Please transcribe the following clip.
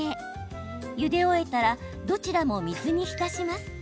ゆで終えたらどちらも水に浸します。